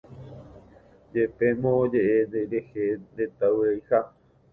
Jepémo oje'e nderehe ndetavyraiha.